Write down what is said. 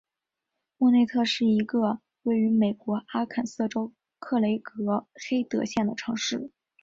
莫内特是一个位于美国阿肯色州克雷格黑德县的城市。